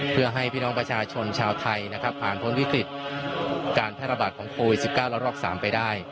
เพื่อให้พี่น้องประชาชนชาวไทยนะครับผ่านพ้นวิกฤตการแพร่ระบาดของโควิด๑๙ระลอก๓ไปได้